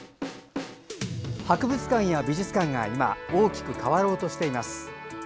博物館や美術館が今、大きく変わろうとしています。